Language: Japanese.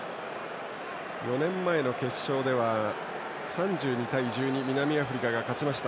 ４年前の決勝では３２対１２で南アフリカが勝ちました。